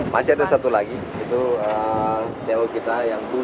masih ada satu lagi itu do kita yang dua